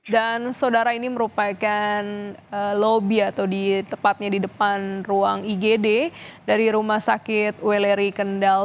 dan saudara ini merupakan lobby atau di depan ruang igd dari rumah sakit weleri kendal